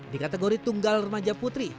di kategori tunggal remaja putri